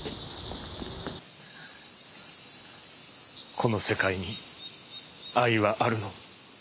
この世界に愛はあるの？